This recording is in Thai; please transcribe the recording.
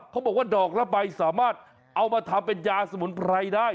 เขาบอกว่าดอกละใบสามารถเอามาทำเป็นยาสมุนไพรได้